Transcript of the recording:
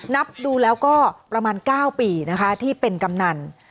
นับดูแล้วก็ประมาณ๙ปีนะคะที่เป็นกำนัน